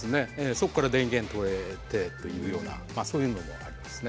そっから電源とれてというようなそういうのもありますね。